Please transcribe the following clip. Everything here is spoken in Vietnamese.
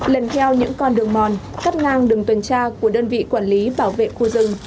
lần theo những con đường mòn cắt ngang đường tuần tra của đơn vị quản lý bảo vệ khu rừng